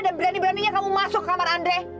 dan berani beraninya kamu masuk ke kamar andre